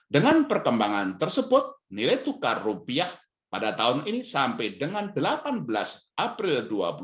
dengan perkembangan tersebut nilai tukang rupiah pada tahun ini sampai dengan delapan belas april